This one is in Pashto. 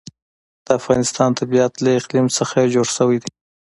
د افغانستان طبیعت له اقلیم څخه جوړ شوی دی.